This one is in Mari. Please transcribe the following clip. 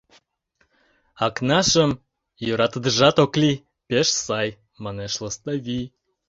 — Акнашым йӧратыдежат ок лий: пеш сай, — манеш Лыставий.